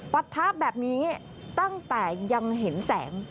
ปะทะแบบนี้ตั้งแต่ยังเห็นแสง